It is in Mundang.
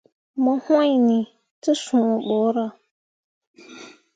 Mo wŋni te sũũ borah.